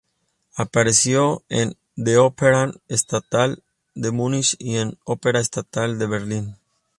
Apareció en the Opera Estatal de Munich y en la Opera Estatal de Berlín.